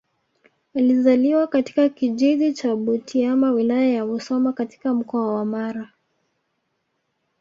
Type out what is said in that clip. Alizaliwa katika kijiji cha Butiama Wilaya ya Musoma katika Mkoa wa Mara